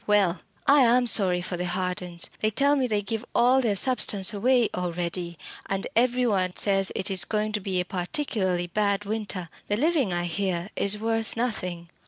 "Well, I am sorry for the Hardens. They tell me they give all their substance away already and every one says it is going to be a particularly bad winter. The living, I hear, is worth nothing.